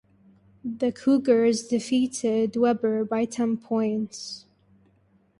The Cougars defeated Weber by ten points.